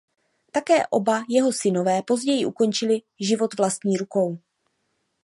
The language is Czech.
Také oba jeho synové později ukončili život vlastní rukou.